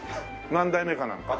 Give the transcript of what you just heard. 何代目かなんか？